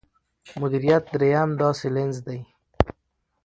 مديريت درېيم داسې لينز دی.